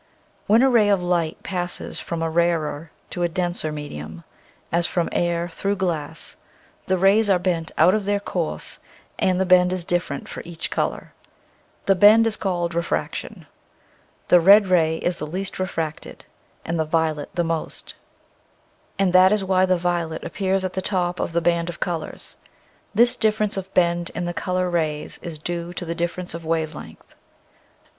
When a ray of light passes from a rarer to a denser medium — as from air through glass — the rays are bent out of their course and the bend is different for each color. This bend is called refraction. The red ray is the least refracted and the violet the most ; and this is why the violet ap 181 / I . Original from UNIVERSITY OF WISCONSIN 182 nature's Afraclee, pears at the top of the band of colors. This difference of bend in the color rays is due to the difference of wave length.